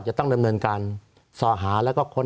สวัสดีครับทุกคน